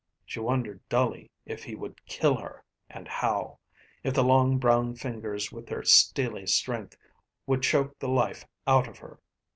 She wondered dully if he would kill her, and how. If the long, brown fingers with their steely strength would choke the life out of her.